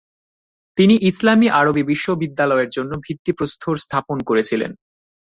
তিনি ইসলামী আরবী বিশ্ব বিদ্যালয়ের জন্য ভিত্তিপ্রস্তর স্থাপন করেছিলেন।